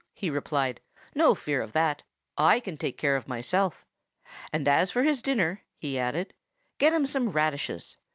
he replied. "No fear of that; I can take care of myself. And as for his dinner," he added, "get him some radishes.